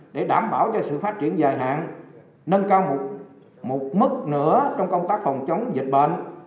để đảm bảo cho sự phát triển dài hạn nâng cao một mức nữa trong công tác phòng chống dịch bệnh